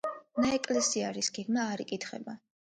ნაეკლესიარის გეგმა არ იკითხება.